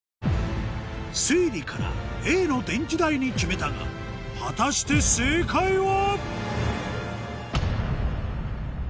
推理からＡの電気代に決めたが果たして正解は？